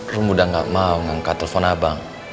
rum udah gak mau nge cut telpon abang